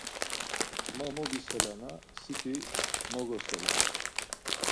Ma bobiselana siti mogoselare.